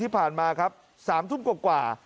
ที่ผ่านมาครับ๓ทุ่มกว่า